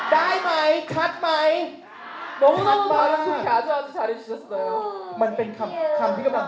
ได้ไหมได้ไหมถัดไหม